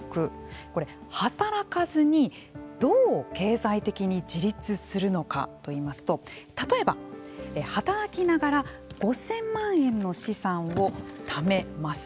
これ、働かずにどう経済的に自立するのかといいますと例えば、働きながら５０００万円の資産をためます。